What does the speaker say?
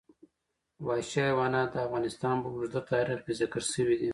وحشي حیوانات د افغانستان په اوږده تاریخ کې ذکر شوي دي.